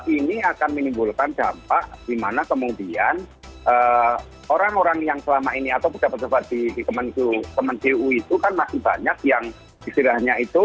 ini akan menimbulkan dampak di mana kemudian orang orang yang selama ini atau berjabat jabat di kementerian keuangan itu kan masih banyak yang istilahnya itu